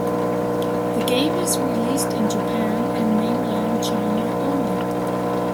The game is released in Japan and mainland China only.